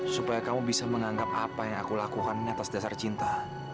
supaya kamu bisa menganggap apa yang aku lakukan ini atas dasar cinta